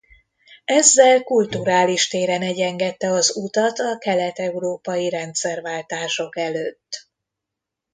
Ezzel kulturális téren egyengette az utat a kelet-európai rendszerváltások előtt.